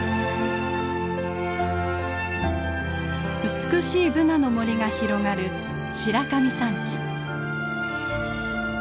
美しいブナの森が広がる白神山地。